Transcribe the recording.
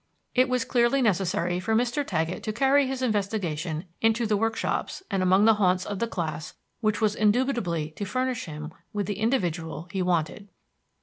It was clearly necessary for Mr. Taggett to carry his investigation into the workshops and among the haunts of the class which was indubitably to furnish him with the individual he wanted.